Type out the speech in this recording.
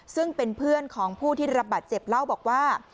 ซึ่งเป็นเพื่อนของผู้ที่รับบาดเจ็บเล่าบอกว่า